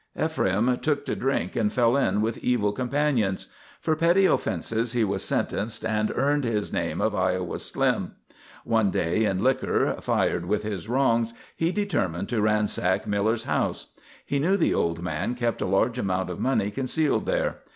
Ephraim took to drink and fell in with evil companions. For petty offences he was sentenced and earned his name of Iowa Slim. One night in liquor, fired with his wrongs, he determined to ransack Miller's house. He knew the old man kept a large amount of money concealed there.